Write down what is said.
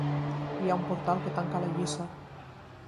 Hi ha un portal que tanca la lliça.